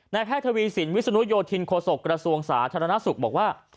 แพทย์ทวีสินวิศนุโยธินโฆษกระทรวงสาธารณสุขบอกว่า